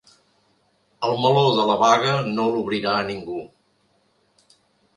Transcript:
El meló de la vaga no l’obrirà ningú.